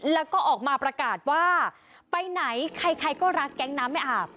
แล้วก็ออกมาประกาศว่าไปไหนใครก็รักแก๊งน้ำไม่อาบ